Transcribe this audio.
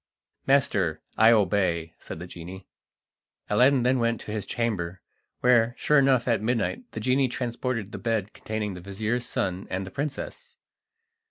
"Master, I obey," said the genie. Aladdin then went to his chamber, where, sure enough at midnight the genie transported the bed containing the vizir's son and the princess.